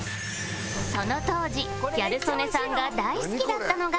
その当時ギャル曽根さんが大好きだったのが